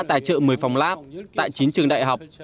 tài trợ một mươi phòng lab tại chín trường đại học